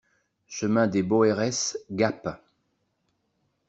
Chemin Dès Boeres, Gap